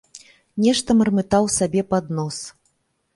Нешта мармытаў сабе пад нос.